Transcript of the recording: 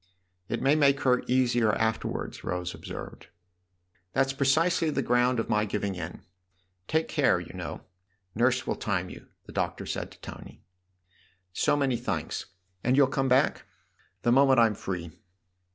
" It may make her easier afterwards," Rose observed. "That's precisely the ground of my giving in. Take care, you know ; Nurse will time you," the Doctor said to Tony. " So many thanks. And you'll come back ?" "The moment I'm free."